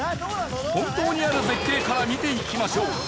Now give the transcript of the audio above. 本当にある絶景から見ていきましょう。